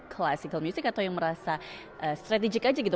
klasik musik atau merasa strategik aja gitu